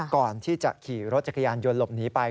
ก่อนที่จะขี่รถจักรยานยนต์หลบหนีไป